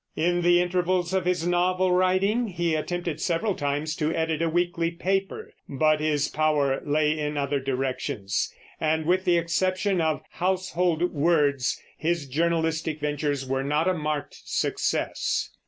In the intervals of his novel writing he attempted several times to edit a weekly paper; but his power lay in other directions, and with the exception of Household Words, his journalistic ventures were not a marked success.